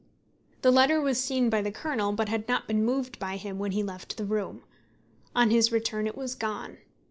The letter was seen by the Colonel, but had not been moved by him when he left the room. On his return it was gone.